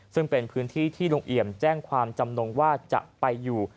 ซึ่งเป็นพื้นที่ที่ลุงเอี่ยมแจ้งความจำนงว่าจะไปอยู่